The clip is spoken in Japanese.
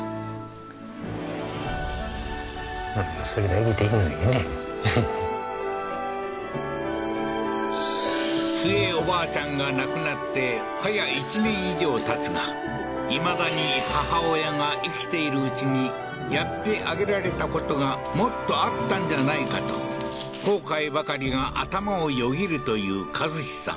優しいなツヱおばあちゃんが亡くなって早１年以上たつがいまだに母親が生きているうちにやってあげられたことがもっとあったんじゃないかと後悔ばかりが頭をよぎるという和司さん